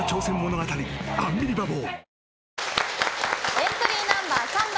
エントリーナンバー３番。